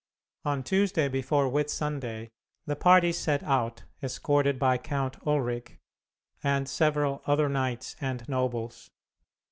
On Tuesday before Whitsunday the party set out, escorted by Count Ulric, and several other knights and nobles.